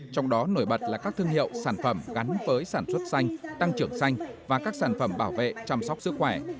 trong đó nổi bật là các thương hiệu sản phẩm gắn với sản xuất xanh tăng trưởng xanh và các sản phẩm bảo vệ chăm sóc sức khỏe